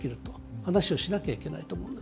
話をしなきゃいけないと思うんです。